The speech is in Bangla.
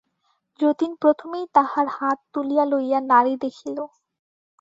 যতীন প্রথমেই তাহার হাত তুলিয়া লইয়া নাড়ি দেখিল।